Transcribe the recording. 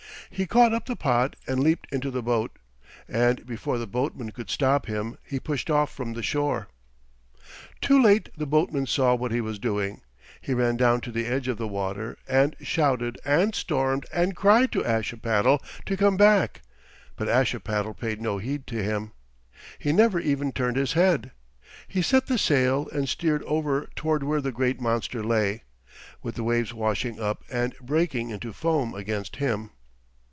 He caught up the pot and leaped into the boat, and before the boatman could stop him he pushed off from the shore. Too late the boatman saw what he was doing. He ran down to the edge of the water and shouted and stormed and cried to Ashipattle to come back, but Ashipattle paid no heed to him. He never even turned his head. He set the sail and steered over toward where the great monster lay, with the waves washing up and breaking into foam against him.